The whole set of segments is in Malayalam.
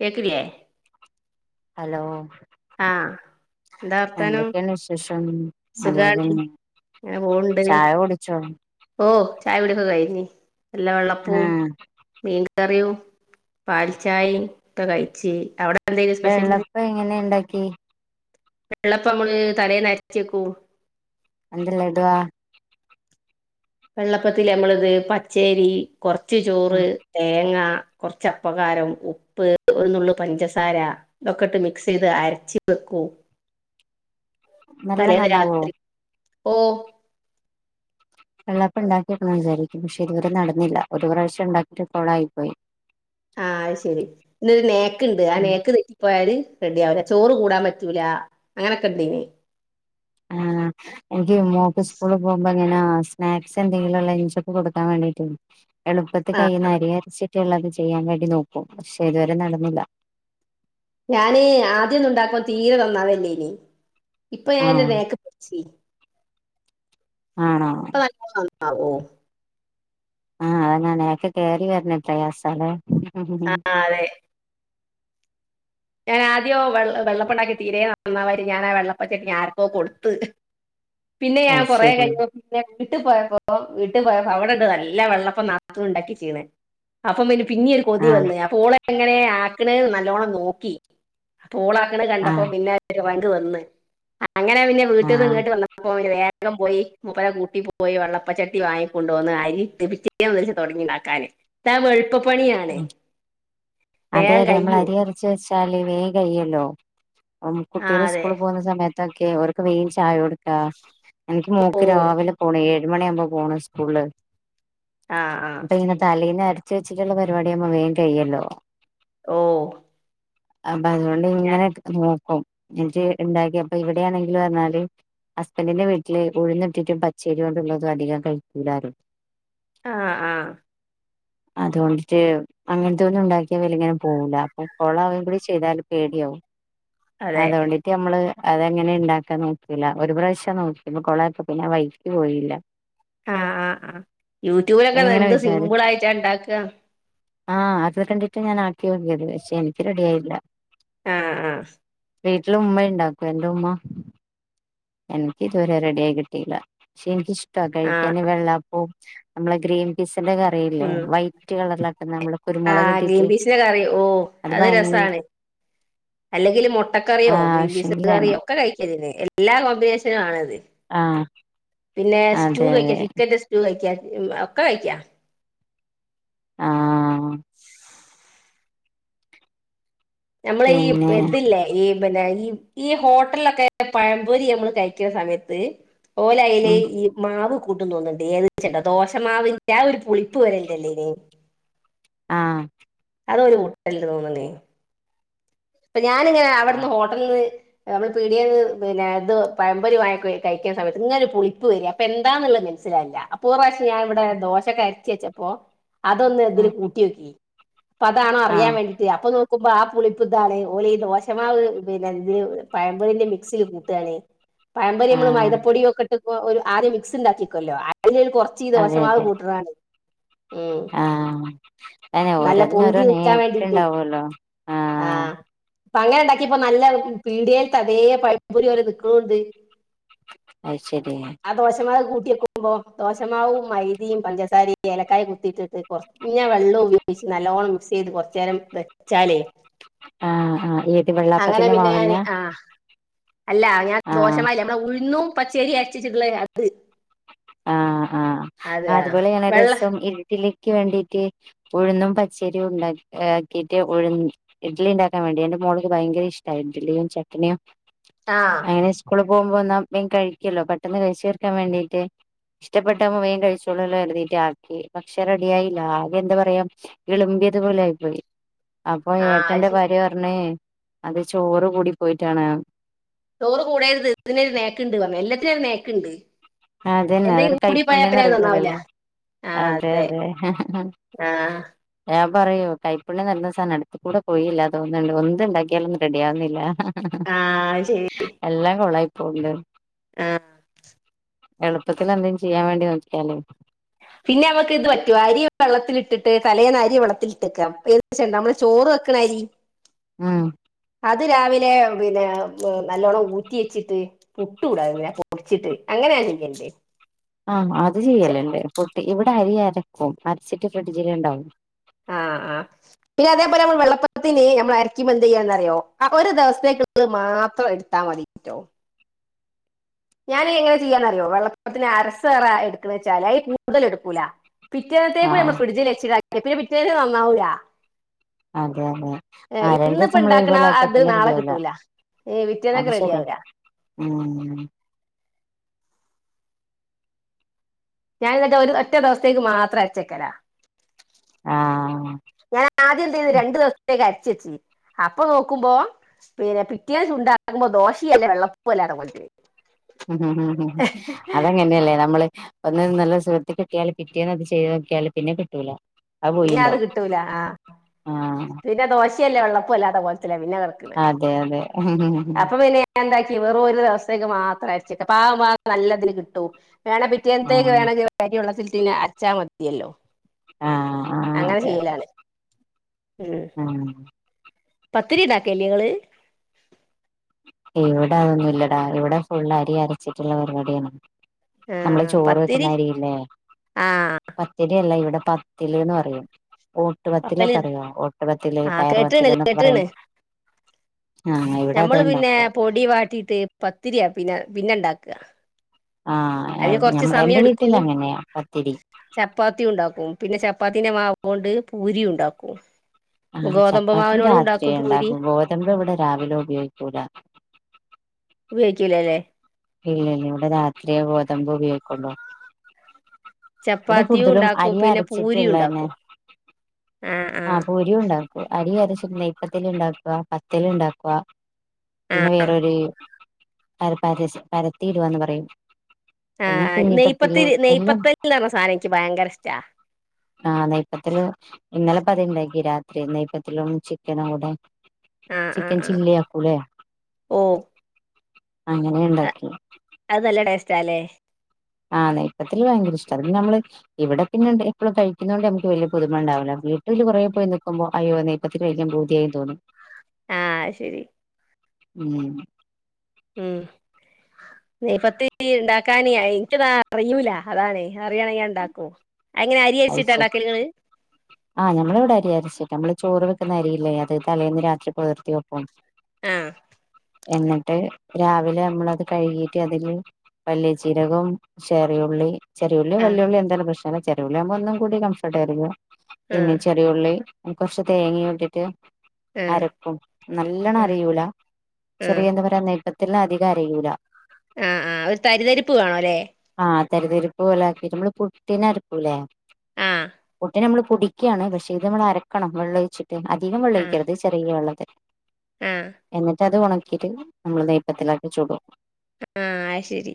കേക്കില്ലേ ഹലോ ആ എന്താ വർത്താനം എന്തൊക്കെയാണ് വിശേഷം [unintelligible] നല്ലതന്നെ അങ്ങനെ പോണുണ്ട് ചായ കുടിച്ചോ ഓ ചായകുടിയൊക്കെ കയിഞ്ഞി ല്ല വെള്ളപ്പവും ആഹ് മീൻകറിയും പാൽച്ചായേം ഒക്കെ കഴിച്ച് അവിടെ എന്തേനു സ്പെഷ്യൽന്ന് വെള്ളപ്പം എങ്ങനെ എണ്ടാ മ് വെള്ളപ്പം മ്മള് തലേന്നരച്ചേക്കൂ എന്ത്‌ ലഡുവാ വെള്ളപ്പത്തില് മ്മള്ത് പച്ചേരി കൊറച്ച് ചോറ് തേങ്ങ കൊറച്ചപ്പകാരം ഉപ്പ് ഒരുന്നുള്ള് പഞ്ചസാര ഇതൊക്കെ ഇട്ട് മിക്സ് ചെയ്ത് അരച്ച് വെക്കൂ നല്ല നന്നാവോ ഓ വെള്ളേപ്പം ണ്ടാക്കിയൊക്കണം വിചാരിക്കും പക്ഷെ ഇതുവരെ നടന്നില്ല ഒരു പ്രാവശ്യംണ്ടാക്കി കൊളായിപ്പോയി ആ ശരി ന്നൊരു നേക്ക്ണ്ട് ആ നേക്ക് തെറ്റിപ്പോയല് റെഡിയാവൂല ചോറ് കൂടാൻ പറ്റൂല അങ്ങനൊക്കെണ്ടീന് ആ എനിക്ക് മോക്ക് സ്കൂളിൽ പോകുമ്പോങ്ങനാ സ്നാക്സ് എന്തെങ്കിലുംള്ള ഇഞ്ചൊപ്പ കൊടുക്കാൻ വേണ്ടീട്ടെ എളുപ്പത്തി കൈയിന്ന് ആഹ് അരി അരച്ചി മറ്റള്ളത് ചെയ്യാൻ വേണ്ടി നോക്കും പക്ഷെ ഇതുവരെ നടന്നില്ല ഞാന് ആദ്യന്നുണ്ടാക്കും തീരെ തന്നാവല്ലേനി ഇപ്പൊ ഞാനായിന്റൊരു ആഹ് നേക്ക് പടിച്ചി ആണോ ആ ഓ ആഹ അയനെ നെക്ക് കേറി വരണ പ്രയാസല്ലേ ആ ആ അതെ ഞാൻ ആദ്യോ വെള്ള വെള്ളപ്പ ഉണ്ടാക്കി തീരെ നന്നാവായിട്ട് ഞാൻ ആ വെള്ളപ്പ ചെട്ടി ആർക്കോ കൊടുത്ത് പിന്നെ ഞാൻ കൊറേ അയ്ശരി കഴിഞ്ഞോ പിന്നെ വീട്ടിൽ പോയപ്പോ വീട്ടിൽ പോയപ്പോ അവിടുണ്ട് നല്ല വെള്ളപ്പോം നാത്തൂൻ ഉണ്ടാക്കിക്കീന് അപ്പൊ പിന്ന പിന്നെ ഒരു കൊതി ആഹ് വന് അപ്പോഓള എങ്ങനെ നല്ലോണം നോക്ക ക്കി പൂളാക്കണ് കണ്ടപ്പോ ആഹ് പിന്നെ ഒരു വൻ ക്ക് വന്ന് അങ്ങനെ പിന്നെ വീട്ടന്ന് ആഹ് ഇങ്ങട്ട് വന്നപ്പോ വേ അപ്പോ പോയി മുപ്പര കൂട്ടി പോയി വെള്ളപ്പച്ചട്ടി വാങ്ങിക്കൊണ്ടുവന്ന് അരിട്ട പിേറ്റേന്ന് വെച്ച് തുടങ്ങിണ്ടാക്കാന് ഇപ്പൊ വെളു എളുപ്പപ്പണിയാണെ ഉം വേം കയ്യും ച്ചാല് വേഗം കയ്യലോ ഉം ആ കുട്ട്യാള് അതെ സ്കൂളിൽ പോന്ന സമയത്ത് താക്കി ഓരിക്ക് വേഗം ചായ കൊടു കാം എനിക്ക് ഓ മോക്ക് രാവിലെ പോണം ഏ ഏഴു മണിയാവുമ്പോൾ പോണം സ്കൂൾല് ആ ആ ഇപ്പങ്ങനെ തലേന്നെ അരച്ച് ച്ചുവെച്ച് ഉള്ള പരിപാടിയാകുമ്പോ വേഗം കയ്യെല്ലോ ഓ അം അതുകൊണ്ട് ഞാ- ഇങ്ങനെ നോക്കും എനിക്ക് ഉണ്ടാക്കിയപ്പോ എവിടെയാണെങ്കില് പറഞ്ഞാല് ഹസ്ബൻഡിന്റെ വീട്ടില് ഉഴുന്നിട്ടിട്ടിം പച്ചരി കൊണ്ട് ഉള്ളതും അധികം കഴിക്കൂല ആരും ആ ആ അതുകൊണ്ടിട്ട് അങ്ങനത്തെ ഒന്നും ഉണ്ടാക്കി വലിങ്ങനെ പോകൂല അപ്പോ കോളാവുകയും കൂടി ചെയ്താല് പേടിയാവും അതെ അതുകൊണ്ഡിറ്റ്‌ നമ്മള് അതെങ്ങനെയാ ഇണ്ടാക്കാൻ നോക്കില്ല ഒരു പ്രാവശ്യം നോക്കിയപ്പോൾ കോളായപ്പോ പിന്നെ വഴിക്ക് പോയില്ല ആ ആ അ യൂട്യൂബിൽ ഒക്കെഅത് എങ്ങനെ എന്ത് സിമ്പിൾ ആയിറ്റാ ഉണ്ടാ ക്കുക ആ അത് കണ്ടിട്ട്ഞാൻ ആ ക്കി നോക്കിയത് പക്ഷേ എനിക്ക് റെഡിയായില്ല ആ ആ വീട്ടിൽ ഉമ്മ ഉണ്ടാക്കും എന്റെ ഉമ്മ എനിക്ക് ഇതുവരെ റെഡി ആായി കിട്ടിയില്ല പക്ഷെ എനിക്ക്ഷ് ട്ടാ ആ കഴിക്കാന് വെള്ളാപ്പൂ നമ്മളെ ഗ്രീൻപീസ് ന്റെ കറിയില്ലേ ഉം. വൈറ്റ് കളറിലാക്കുന്ന നമ്മള് ആ കുരുമുളക് ഗ്രീൻ ഇട്ടിട്ട് പീസിന്റെ കറി ഓ അത് രസാണ് അല്ലെങ്കിൽ മുട്ടക്കറിയോ ആഹ് ഗ്രീൻ പീസ് ആവശ്യങ്കിലാണ് കറിയോ ഒക്കെ കഴിക്കതിന് എല്ലാ കോമ്പിനേഷനും ആണത് ആ പിന്നെ സ്റ്റൂ കഴിക്ക ചിക്കൻന്റെ സ്റ്റൂ കഴിക്കാ ഉം ഒക്കെ കഴിക്കാ ആ അ നമ്മള് ഈ പിന്നെ ഇതില്ലേ ഈ പിന്നെ ഈ ഈ ഹോട്ടൽലൊക്കെ പഴംപൊരി നമ്മള് കഴിക്ന്ന സമയത്ത് ഓല അയിലേ ഉം ഈ മാവ് കൂട്ടും തോന്നുന്ന്ണ്ട് [unintelligible] ദോശമാവിന്റെ ആ ഒരു പുളിപ്പ് [unintelligible] ആ അത് ഓല് മുട്ടല്ണ്ട് തോന്ന്ണ് ഇപ്പൊ ഞാനിങ്ങനെ ആഹ് അവിട്ന്ന് ഹോട്ടൽ ന്ന് നമ്മള് പിടെന്ന് പിന്നെ ഇത് പയംമ്പോരി വാങ്ങി കഴിക്ണ സമയത്ത് ഇങ്ങനൊരു പുളിപ്പ് വരാ അപ്പ എന്താന്നുള്ളത് മനസ്സിലായില്ല അപ്പൊ ഒരു പ്രാവശ്യം ഞാൻ ഇവിടെ ദോശൊക്കെ അരച്ച് വെച്ചപ്പോ അതൊന്ന് ഉം അതില് കൂട്ടി നോക്കി അതാണോ അറിയാൻ ആഹ് വേണ്ടിട്ട് അപ്പ നോ [unintelligible] ഇതാണ് ഓലെ ദോശമാവ് പിന്നെ ഇ പയംമ്പൊരിന്റെ മിക്സില് കൂട്ടാണ് പായംപൊരി ആഹ് മൈതപ്പൊടിയും ഒക്കെട്ട് ഒരു ആദ്യം മിക്സ് ഉണ്ടാക്കിക്കല്ലോ അതില് കുർച്ച് ഈ ദോഷമാവ് കൂട്ട്ണതാണ് ആ അനെ നല്ല ഓരോന്നിന് ഓരോ നേക്ക് ഇണ്ടാവല്ലോ ആ അങ്ങനെ ഉണ്ടാക്കി ഇപ്പ നല്ല പീടിയൽത്തെ അതേ പയംമ്പോരി പോലെ നിക്ന്നുണ്ട് അത് ശരി അ ദോശമാ കൂട്ടി പോ ദോശമാവും മൈതിം പഞ്ചസാരയും ഏലക്കായ കുത്തിയിട്ടിട്ട് കുറഞ്ഞ വെള്ളം ഉപയോഗിച്ച് നല്ലോണം മിക്സ് ചെയ്ത് കുറച്ച് നേരം വെച്ചാല് ആ ആ ഏത് അങ്ങനെ വെള്ളാപ്പത്തിന്റെ പിന്നെ ഞാൻ മാവന്നെ ആ അല്ല ഞാൻ ആഹ് ദോഷമാവല്ല നമ്മളെ ഉഴുന്നും പച്ചേരി അരച്ചിട്ടില്ലേ അത് ആ ആ അതുപോലെയാണ് വെള്ള രസം ഇഡിലി ക്ക് വേണ്ടിട്ട് ഉഴുന്നും പച്ചേരിയും ഉണ്ടാക്കി ആക്കിയിട്ട് ഉഴ ഇഡ്ലി ഇണ്ടാക്കാൻ വേണ്ടി എന്റെ മോള്ക്ക് ഭയങ്കര ഇഷ്ടാ ഇഡ്ലിയും ചട്നിയും ആ അങ്ങനെ സ്കൂള് പോകുമ്പോൾന്നാ മേം കഴിക്കല്ലോ പെട്ടെന്ന് കഴിച്ച് തിർക്കാൻ വേണ്ടീട്ട് ഇഷ്ടപ്പെട്ടത് ആവുമ്പോ മേം കഴിച്ചോളല്ലോ കരുതീട്ട് ആക്കി പക്ഷെ റെഡിയായില്ല ആകെ എന്താ പറയാ ഇളുംമ്പിയത് പോലെ ആയി പോയി അപ്പൊ ആ അത് ഏട്ടന്റെ ശരി ഭാര്യ പറഞ് അത് ചോറും കൂടി പോയിട്ടാണ് ചോറ് കൂടരുത് ഇതിനൊരു നേക്ണ്ട് പറഞ് എല്ലത്തിനും ഒരു നേക്ണ്ട് അതെന്നാ അത് ഒരു കൈപ്പുണ്ന്ന് നന്നാവില്ല [unintelligible] അതെ അതെ ആ പറയോ കൈപ്പുണ്ി നിരുന്ന സാധന അടുത്ത കൂടെ പോയില്ല അതോന്നുന്നു ഒന്ന ഉണ്ടാക്കിയാലൊന്നും റെഡി ആവുന്നില്ല ആ അത് എല്ലാം കൊളായി പോല്ല ആഹ എളുപ്പത്തിൽ എന്തേും ചെയ്യാൻ വേണ്ടി നോദിക്കാലേ പിന്നെ അവമ്മക്ക് ഇത് പറ്റുവ അരി വെള്ളത്തിലൽിട്ടിട്ട് തലേന്ന് അരി വെള്ളത്തിൽിട്ട്ക്കാം ഏദേ നമ്മള് ചോറ് വെക്കണ അരി ഉം അത് രാവിലെ പിന്നെ നല്ലോണ്ണം ഊറ്റി വെച്ചിട്ട് പുട്ട് കൂടാ പിന്നെ പൊടിച്ചിട്ട് അങ്ങനെയാ ചറെ ആഹ അത് ചെയ്യലല്ലേ ഫ ഇവിടെ അരി അരക്കും മരച്ചട്ട് ഫ്രിഡ്ജില ഉണ്ടാവും ആഹ ആ പിന്നെ അതേപോലെ നമ്മൾ വെള്ളപ്പത്തിന് നമ്മൾ അരക്കുമ്പോ എന്ത് ചെയ്യാന്നറിയോ ഒരു ദിവസത്തേക്കുള്ള മാത്രം എടുത്താ മതിട്ടോ ഞാനൻങ്ങനെ ചെയ്യാന്നറിയോ വെള്ളപ്പൊപ്പത്തിന് അരസേറ എടുക്കുന്ന വെച്ചാല് കൂതൽ എടുക്കൂല പിറ്റത്തത്തെേ കൂ നമ്മ ആഹ് ഫ്രഡ്ജിൽെച്ചി പി ശരു മാമ്മ അവിട അതെ അതെ ആ രണ്ടു ദിവസം നമ്മള് ഉണ്ടാക്കണ ഒരുപോലെ ആക്കിയാ അത് പിന്നെ റെഡി നാളെ ആവല കിട്ടൂല പിറ്റേന്നേക്ക് അത് റെഡി ശരി ആവൂല ഉം ഞാാനി എന്നിട്ട് ഒരു ഒറ്റ ദിവസത്തേക്ക് മാത്രം അച്ചേക്കല ഞൻ ആദ്യം എന്ത ചെയ്യുന്നു ആഹ് രണ്ടു ദിവസത്തേക്കായിട്ട ചച്ച അപ്പൊ നോക്കുമ്പോ പിന്നെ പിറ്റേ ഉണ്ടാകുമ്പോ ദോശയല്ലേ വെള്ളപ്പൂല്ലാതങ്ങോ ഉംം ഉ അതങ്ങനെയല്ലേ നമ്മള് ഒന്ന് നല്ല സുഖത്ത് കിട്ടിയാല് പിറ്റേന്ന് അത് ചെയ്ത് നോക്കിയാല് പിന്നെ കിട്ടൂല പിന്നെ അത് കിട്ടൂല ആഹ ആഹ് പിന്നെ ദോശയല്ലേ വെള്ള വലത പിന്നെ കടക്ക അതെ അതെ ആഹ് അപ്പൊ പിന്നെ എന്താ വെറും ഒരു ദിവസത്തേക്ക് മാത്രം അയച്ചക്ക പാവം പാ നല്ലതിന് കിട്ടൂ വേണെ പിറ്റേ എത്തേക്ക് ആഹ് വേണെ കാര്യുള്ള ത്തിന് അച്ചാ മതിയല്ലോ അങ്ങനെ ചെയ്യലാണ് ഉം പത്തിരി ഇതാാക്കെല്ലള് ഇവിടെ അതൊന്നും ഇല്ലടാ ഇവിടെ ഫുൾ അരി അരച്ചിട്ടുള്ള പരിപാടിയാണ് ആ നമ്മള് ചോറ് പത്തിരി വെക്കുന്നരില്ലേ ആ പത്തിരിയല്ല ഇവിടെ പത്തില്ൽന്ന് പറയും ഓട്ട്പത്തിലൽ പത്തല് ഒക്കെ അറിയോ ഓട്ട് പത്തിൽ ആ ടയർ കേട്ടിണ് വത്തിൽ എന്നൊക്കെ പറയ കേട്ടിണ് ആഹ ഇവിടെ നമ്മള് പിന്നെ പൊടി വാട്ടിട്ട് പത്തിരിയാ പിന്നെ പിന്നെണ്ടാക്ക അക ആഹ് അതിന് കൊറച്ച് ഞമ്മ സമയം എന്റെ വീട്ടിൽ എടുക്കും അങ്ങനെയാ പത്തിരി ചപ്പാത്തി ഉണ്ടാക്കും പിന്നെ ചപ്പാത്തി ത്തിനമാവുകൊണ്ട് പൂരി ഉണ്ടാക്കും ആ ഗോതമ്പ് ചപ്പാത്തി മാവിനോട് ഉണ്ടാക്കും രാത്രിയ പൂരി ഉണ്ടാകൂ ഗോതമ്പ് ഇവിടെ രാവിലെ ഉപയോഗിക്കൂല ഉപയോഗിക്കില്ലല്ലേ ഇല്ല ഇല്ല ഇവിടെ രാത്രിയെ ഗോതമ്പ് ഉപയോഗിക്കുള്ളു ഇവിടെ ചപ്പാത്തിയും കൂടുതലും ഉണ്ടാക്കും അരി പിന്നെ പൂരിയും അരച്ചിട്ടുള്ളതന്നെ ഉണ്ടാക്കും ആഹ് ആ ആഹ് പൂരി ഉണ്ടാകും അരി അരച്ചിട്ട മുപ്പതിൽ ഉണ്ടാക്കുക പത്തിൽ ഉണ്ടാക്കുക പിന്നെ വേറരു പ പാര പരത്തിയിടുവന്ന് പറയും ആഹ നെയ്പത്തിരി നെയ് പത്ത ആഹ നെയ്പത്തിരി ഇന്നലെ പതിുണ്ടായി എനിക്ക് രാത്രി നെയ്പത്തിരി ചിക്കനും ആവട്ടെ ആഹ് ആഹ് ചിക്കൻ ആഹ് ചില്ലി ആകുലെ ഓ അങ്ങനെ ഉണ്ടാക്കി സ്റ്റ് അല്ലേ ആഹ് നെയ്പത്തിരി ഭയങ്ക ഇഷ്ടമാണ് പിന്നെ നമ്മള് ഇവിടെ പിന്നെ എപ്പോഴും കഴിക്കുന്ന കൊണ്ട് നമുക്ക് വലിയ പുൊതുമമ ഉണ്ടാവില്ല വീട്ടില് കുറെേ പോയി നൽക്കുമ്പോ അയ്യോ നെയ്പത്തിരി കഴിക്കാൻ പൂതിയായി തോനും ആഹ് ശരി ഉം ഉം നീപ്പത്തി ഉണ്ടാക്കാന എനിക്കതാ അറിയൂല അതാണ് അറിയാമെങ്കിൽ ഉണ്ടാക്കു അ ശരി ആഹ് ഞമ്മള് ഇവിടെ അരി അരച്ചിട്ട് നമ്മള് ചോറ് വെക്കുന്ന അരിയില്ലേ അത് തലേൽന്ന് രാത്രി പുതിർത്തി വെപ്പും ആഹ എന്നിട്ട് രാവിലെ നമ്മളത് കഴുകിട്ട് അതിൽ വല്ലചീരകവും ചെറിയുള്ളി ചെറിയുള്ളിയോ ആഹ് വലിയുള്ളിയോ എന്താല പ്രശ് [unintelligible] [unintelligible] ഒനും കൂടി കംഫർട്ട് ആയിരിക്കും ആഹ് പിന്നെ ചെറിയുള്ളി കുറച്ച് തേങ്ങയും ഇട്ടിട്ട് ആഹ് അരക്കും നല്ലോണം ആഹ് അരയൂല ആഹ് ചെറിയ എന്താ പറയാ ത്തിൽ അധികം അരയൂല ആഹ ആ് ഒരു തരിതരിപ്പ് കാണൂലെ ആ തരിതിരിപ്പ് പോലെ ആക്കി നമ്മള് പുട്ടിന് ല്ലെ ആഹ് പുട്ടിന് നമ്മള് പോടിക്കുവാണ് പക്ഷെ ഇത് നമ്മൾ അരക്കണം വെള്ളം ഒഴിച്ച് അധികം ആഹ് വെള്ളഴിക്കരുത് ചെറിയ വെള്ളത്തില് ആഹ് എന്നിട്ട് അത് ഉണ [unintelligible] നമ്മള് നെയപ്പത്തിലാക്കി ചൂടും ആഹ് ശരി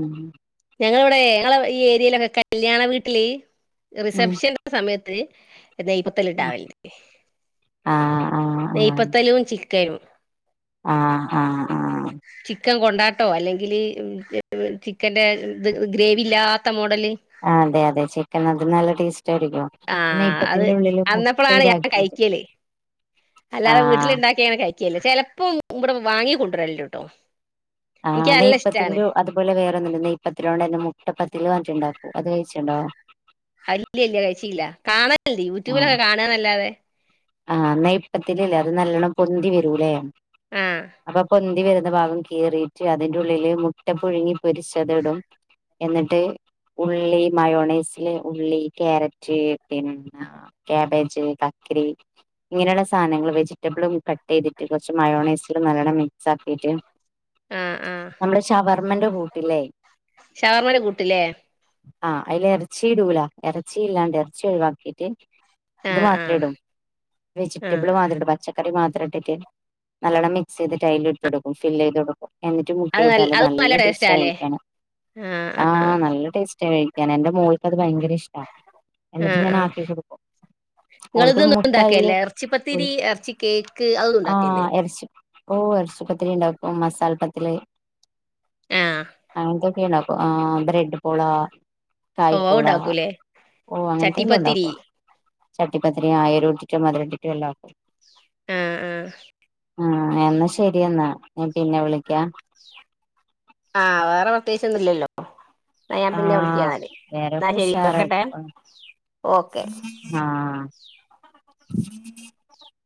ഉം ഞങ്ങളിവിടെ ഞങ്ങള് ഈ ഏരിയയിലൊക്കെ കല്യാണ വീട്ടില് ഉം റിസപ്ഷന്റെന്റെ സമയത്ത് [unintelligible] ആഹ് [unintelligible] [unintelligible] ആഹ ആഹ് ആഹ് ചിക്കൻ കൊണ്ടാട്ടോ അല്ലെങ്കിൽ ചിക്കന്റെ ഗ്രേവില്ലാത്ത അതെ അതെ ചിക്കൻ അത് നല്ല ടേസ്റ്റ് ആയിരിക്കും ആഹ അത് നെയ്പ്പത്തിന്റെ ഉള്ളില് മുട്ട അന്നപ്പോളാണ് ഞാൻ ഇതാക്കിട്ട് കഴിക്കല് അല്ലാതെ ആഹ് വീട്ടിൽണ്ടാക്കിങ്ങനെ കഴിക്കല്ലേ ചിലപ്പോം ഇവിടെ വാങ്ങിക്കൊ [unintelligible] ആ് നെയ്യപ്പത്തി അതുപോലെ വേറെന്നുമല്ല നെയ്യപ്പത്തിലോണ്ട് തന്നെ മുട്ടപ്പത്തില് ണ്ടാക്കും അത് കഴിച്ചണ്ടോ ഇല്ലില്ല കഴിച്ചില്ല കാണ അല്ല യൂട്യൂബിലൊക്കെ കാണൽ അല്ലാതെ ആഹ എന്നാ നെയ്യപ്പത്തില്ലേ അത് നല്ലോണ്ണം പൊന്തി വരൂലേ ആ അപ്പൊ പൊന്തി വ ഭാഗം കീറിയിട്ട് അതിൻറെ ഉള്ളില് മുട്ട പുഴുങ്ങി പൊരിച്ചത്ടും എന്നിട്ട് ഉള്ളി മയോണൈസിൽ ഉള്ളി ക്യാരറ്റ് പിന്നെ കാബേജ് കക്കരി ഇങ്ങനെയുള്ള സാധനങ്ങൾ വെജിറ്റബിളും കട്ട് ചെയ്തിട്ട് കുറച്ച് മയോണൈസും നല്ലോണം മിക്സ് ആക്കിട്ട് ആ ആ നമ്മുടെ [unintelligible] ർമ്മന്റെ കൂട്ടില്ലേ ഷവർമയുടെ കൂട്ടില്ലേ ആഹ് അതിൽ ഇറച്ചി ഇടൂല ഇറച്ചി ഇല്ലാണ്ട് ഇറച്ചി ഒഴിവാക്കിട്ട് ആ ഇത് ആ മാത്രെ ഇടും ആ വെജിറ്റബിൾ മാതിരിണ്ട് പച്ച ക്കറി മാത്രം ഇട്ടിട്ട് നല്ലോണം മിക്സ് ചെയ്തിട്ട് അയില് ഇട്ട് കൊടുക്കും ഫില്ല് ചെയ്ത് കൊടുക്കും എന്നിട്ട് അത് മുട്ടയിട്ടാലും അത് നല്ല ടേസ്റ്റാ ടേസ്റ്റാല്ലേ കഴിക്കാന് ആ നല്ല ടേസ്റ്റാ കഴി ഞാൻ എന്റെ മോൾകത് അത് ഭയങ്കര ഇഷ്ടാ എന്നിട്ട് ആഹ് ഞാൻ ആഹ് ആക്കികൊടുക്കും ഓൾക് മു നിങ്ങളിതൊന്നും ഇറച്ചിപ്പത്തിരി ഇറച്ചി കേക്ക് അത് ഒന്നും ആഹ് ഉണ്ടാക്കലില്ലേ എറച്ചി ഓ എറച്ചി പത്തിരി ഇണ്ടാക്കും മസാല പത്തില് [unintelligible] ആഹ് അതിന്റെ ഇണ്ടാക്കും ആ ബ്രെഡ് പോള ഓ കായ്പോള അത്ണ്ടാക്കൂലേ ഓ അങ്ങനത്തെല്ലാം ചട്ടിപ്പത്തിരി ഉണ്ടാക്കും ചട്ടിപ്പത്തിരി ആയിറൊട്ടി ച്ച് മധരട്ടിട്ട് വെള്ളം ആക്കും ആ ആ ആ എന്നാ ശരി എന്നാ ഞാൻ പിന്നെ വിളിക്കാം ആ വേറെ പ്രത്യേകിച്ചൊന്നും ഇല്ലല്ലോ ഇന്നാ ഞാൻ പിന്നെ വിളിക്കാ ആഹ് ന്നാല് വേറെക്കെ ശരി ഉഷാറായി വെക്കട്ടെ പോണ്. ഓക്കെ [inaudible]